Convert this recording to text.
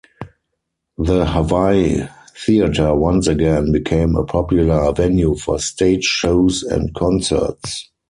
The Hawaii Theatre once again became a popular venue for stage shows and concerts.